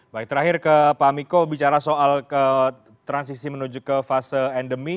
baik terakhir ke pak miko bicara soal transisi menuju ke fase endemi